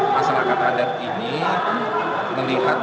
masyarakat adat ini melihat